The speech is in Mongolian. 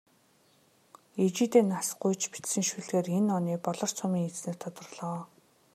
Ижийдээ нас гуйж бичсэн шүлгээр энэ оны "Болор цом"-ын эзнээр тодорлоо.